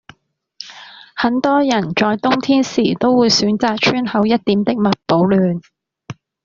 很多人在冬天時都會選擇穿厚一點的襪保暖